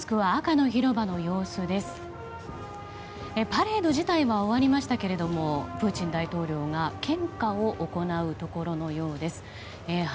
パレード自体は終わりましたけれどもプーチン大統領が献花を行うところのようです。